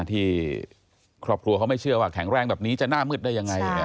ที่ครอบครัวเขาไม่เชื่อว่าแข็งแรงแบบนี้จะหน้ามืดได้ยังไง